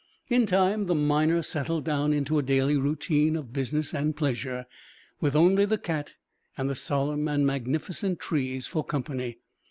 In time the miner settled down into a daily routine of business and pleasure, with only the cat and the solemn and magnificent trees for company.